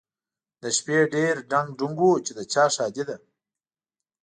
د شپې ډېر ډنګ ډونګ و چې د چا ښادي ده؟